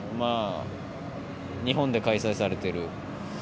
日本で開催されてる。